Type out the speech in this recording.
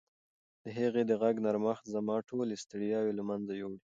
د هغې د غږ نرمښت زما ټولې ستړیاوې له منځه یووړې.